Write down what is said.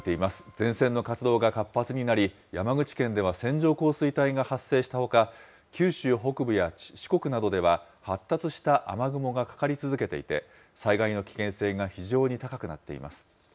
前線の活動が活発になり、山口県では線状降水帯が発生したほか、九州北部や四国などでは、発達した雨雲がかかり続けていて、災害の危険性が非常に高くなっています。